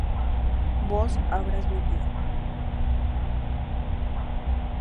vos habrás bebido